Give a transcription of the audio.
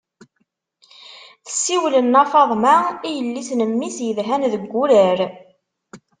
Tessiwel nna faḍma i yelli-s n mmi-s i yedhan deg wurar.